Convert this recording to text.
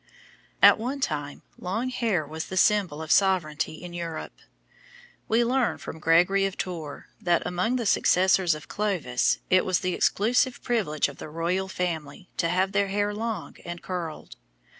At one time, long hair was the symbol of sovereignty in Europe. We learn from Gregory of Tours, that, among the successors of Clovis, it was the exclusive privilege of the royal family to have their hair long and curled.